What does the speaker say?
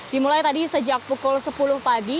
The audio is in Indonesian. dimulai tadi sejak pukul sepuluh pagi